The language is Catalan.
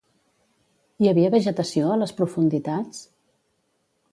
Hi havia vegetació a les profunditats?